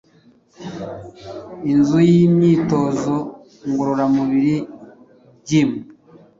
Inzu y’imyitozo ngororamubiri Gym